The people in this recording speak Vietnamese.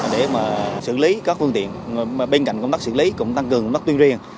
để mà xử lý các phương tiện bên cạnh công tác xử lý cũng tăng cường công tác tuyên riêng